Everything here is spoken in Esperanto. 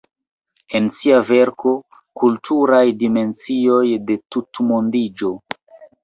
En sia verko "Kulturaj dimensioj de tutmondiĝo.